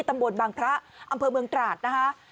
ตำบลบางพระอำเภอเมืองตราดนะคะ